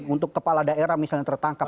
untuk kepala daerah misalnya tertangkap